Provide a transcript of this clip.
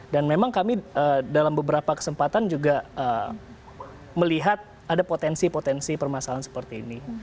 dan memang kami dalam beberapa kesempatan juga melihat ada potensi potensi permasalahan seperti ini